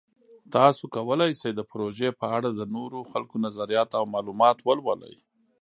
تاسو کولی شئ د پروژې په اړه د نورو خلکو نظریات او معلومات ولولئ.